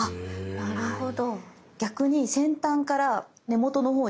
あなるほど。